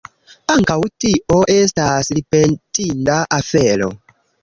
Ankaŭ tio estas ripetinda afero!